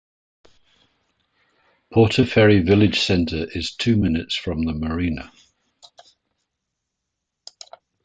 Portaferry village centre is two minutes from the marina.